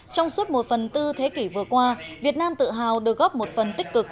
trong suốt một phần tư thế kỷ vừa qua việt nam tự hào được góp một phần tích cực